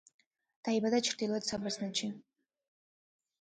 დაიბადა ჩრდილოეთ საბერძნეთში.